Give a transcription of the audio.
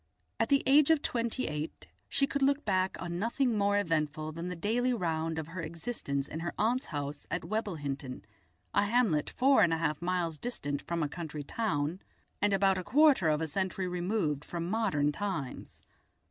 At the age of twenty eight she could look back on nothing more eventful than the daily round of her existence in her aunt's house at Webblehinton, a hamlet four and a half miles distant from a country town and about a quarter of a century removed from modern times.